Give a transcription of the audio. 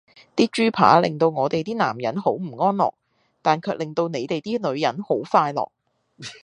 啲豬扒令到我哋啲男人好唔安樂,但卻令到你哋啲女人好快樂!